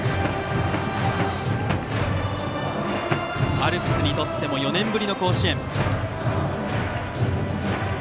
アルプスにとっても４年ぶりの甲子園。